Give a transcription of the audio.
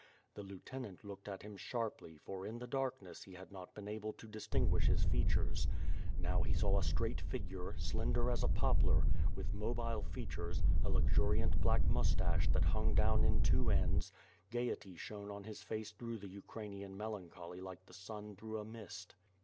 The lieutenant looked at him sharply for in the darkness he had not been able to distinguish his features. Now he saw a straight figure, slender as a poplar, with mobile features, a luxuriant black moustache 'WITH FIRE AND 8W0RD. 57 that hong down in two ends; gayety shone on his face through the Ukrainian melancholy like the sun through a mist.